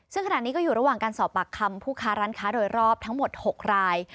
ซึ่งขณะนี้ก็อยู่ระหว่างการสอบปากคำผู้ค้าร้านค้าโดยรอบทั้งหมด๖ราย